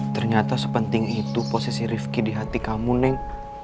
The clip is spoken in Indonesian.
ternyata sepenting itu posisi rifki di hati kamu neng